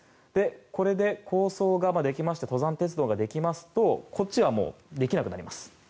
これで、構想ができまして登山鉄道ができますとこっちができなくなります。